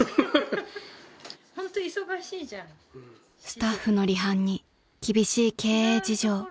［スタッフの離反に厳しい経営事情］